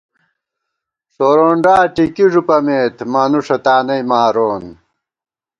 ݭورونڈا ٹِکی ݫُوپَمېت ، مانُوݭہ تانئی مارون